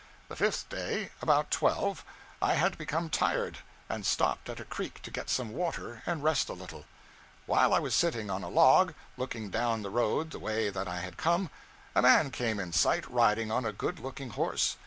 The fifth day, about twelve, I had become tired, and stopped at a creek to get some water and rest a little. While I was sitting on a log, looking down the road the way that I had come, a man came in sight riding on a good looking horse.